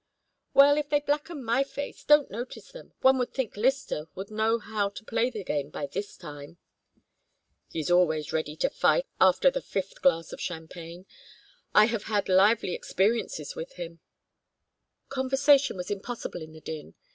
"Well, if they blacken my face don't notice them. One would think Lyster would know how to play the game by this time." "He is always ready to fight after the fifth glass of champagne. I have had lively experiences with him." Conversation was impossible in the din.